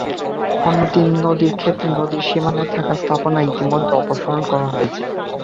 অন্য তিন নদীর ক্ষেত্রে নদীর সীমানায় থাকা স্থাপনা ইতিমধ্যে অপসারণ করা হয়েছে।